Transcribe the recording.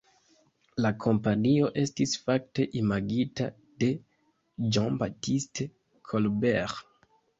La kompanio estis fakte imagita de Jean-Baptiste Colbert.